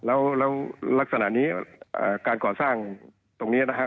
แล้วลักษณะนี้การก่อสร้างตรงนี้นะครับ